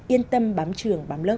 yên tâm bám trường bám lớp